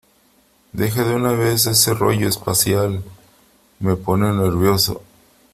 ¡ Deja de una vez ese rollo espacial ! Me pone nervioso .